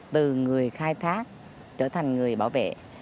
từ người khai thác trở thành người bảo vệ